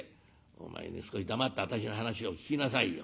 「お前ね少し黙って私の話を聞きなさいよ。